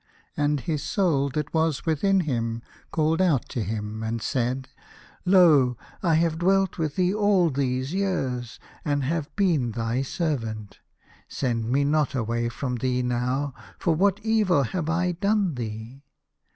And his Soul that was within him called out to him and said, " Lo ! I have dwelt with thee for all these years, and have been thy servant. Send me not away from thee now, for what evil have I done thee